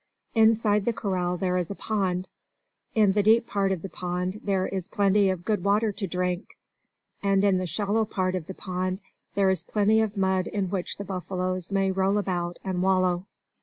Inside the corral there is a pond. In the deep part of the pond there is plenty of good water to drink; and in the shallow part of the pond there is plenty of mud in which the buffaloes may roll about and wallow.